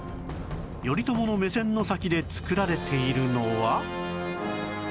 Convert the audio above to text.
頼朝の目線の先で作られているのは